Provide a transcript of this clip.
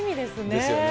ですよね。